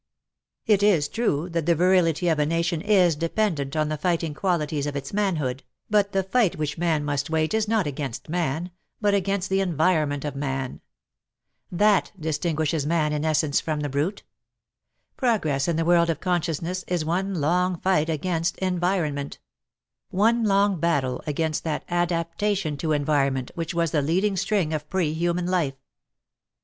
It Is true that the virility c •'*•*•',*• In the Trenches near Adrianople. WAR AND WOMEN 205 of a nation is dependent on the fighting qualities of its manhood, but the fight which man must wage is not against Man, but against the environment of Man. That distinguishes Man in essence from the brute. Progress in the world of consciousness is one long fight against environment — one long battle against that adaptation to enviromnent which was the leading string of pre human life.